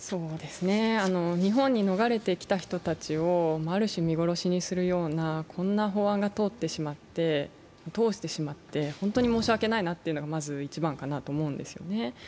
日本に逃れてきた人たちをある種、見殺しにするようなこんな法案を通してしまって本当に申し訳ないなというのがまず一番だと思うんですね。